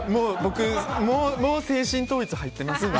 もう精神統一入ってますんで。